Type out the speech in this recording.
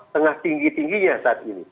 tengah tinggi tingginya saat ini